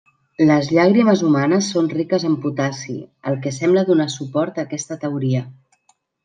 Les llàgrimes humanes són riques en potassi, el que sembla donar suport a aquesta teoria.